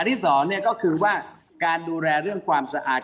ที่สองก็คือว่าการดูแลเรื่องความสะอาด